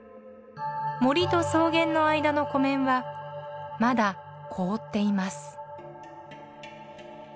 森と草原の間の湖面はまだ凍っています。